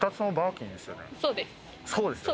そうです。